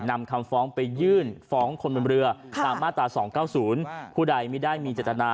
นำคำฟ้องไปหยื่นฟ้องคนบริเวณเรือตามมาตร๒๙๐